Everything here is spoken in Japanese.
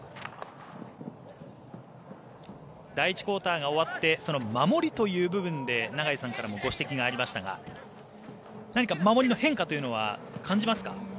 第１クオーターが終わってその守りという部分で永井さんからもご指摘がありましたが何か守りの変化は感じますか？